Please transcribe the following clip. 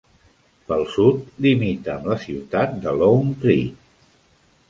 Pel sud limita amb la ciutat de Lone Tree.